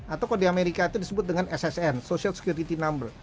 atau kalau di amerika itu disebut dengan ssn social security number